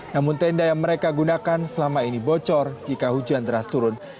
namun tenda yang mereka gunakan selama ini bocor jika hujan deras turun